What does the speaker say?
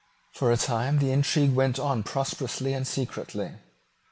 For a time the intrigue went on prosperously and secretly.